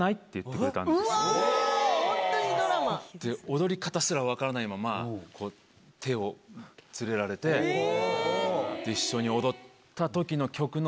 踊り方すら分からないままこう手を連れられて一緒に踊ったときの曲の。